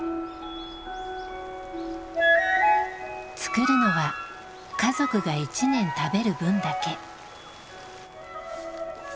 作るのは家族が一年食べる分だけ。